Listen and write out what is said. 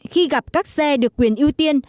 khi gặp các xe được quyền ưu tiên